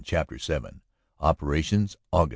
CHAPTER VII OPERATIONS: AUG.